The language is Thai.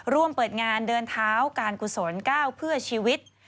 ร่วมเปิดงานเดินเท้าการกุศล๙เพื่อชีวิต